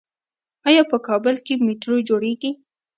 آیا په کابل کې میټرو جوړیږي؟